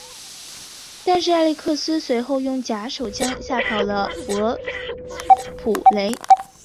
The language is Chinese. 但是艾力克斯随后用假手枪吓跑了伯普雷。